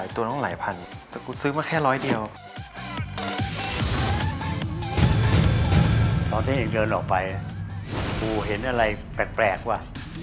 ตอนที่เอกเดินออกไปกูเห็นอะไรแปลกว่ะ